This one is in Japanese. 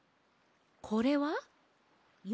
これは？よ